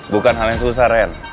bukan hal yang susah ren